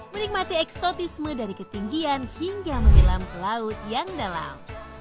menikmati eksotisme dari ketinggian hingga menyelam ke laut yang dalam